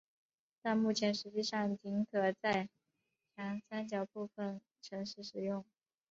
但目前实际上仅可在长三角部分城市使用。